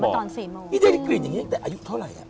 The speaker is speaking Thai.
คือเขาบอกนี่ได้ได้กลิ่นอย่างนี้ตั้งแต่อายุเท่าไหร่